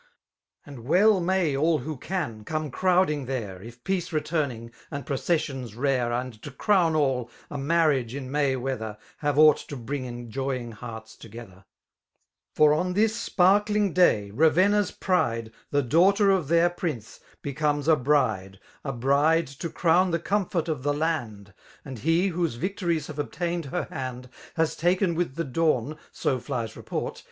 And well may all who can, come crowding there. If poace returning, and processions rare. And to crowti all, a inarriage in May weather. Have aught to bring ei^oying hearts together ^ For on. ibis sparkling daj> Ravenna's pride, • Thfc daughter of their prince, becomes a bride, A bride> to crown the comfort of the land: And he, whose victories have obtained her hand* Has ta]cen with the dawn, so flies report